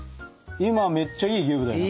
今めっちゃいいギューぶだよね。